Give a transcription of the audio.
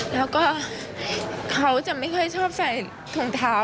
แล้วก็เขาจะไม่ค่อยชอบใส่ถุงเท้า